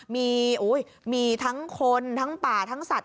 มีทั้งคนทั้งป่าทั้งสัตว